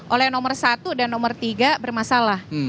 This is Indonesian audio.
oleh nomor satu dan nomor tiga bermasalah